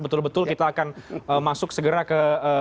betul betul kita akan masuk segera ke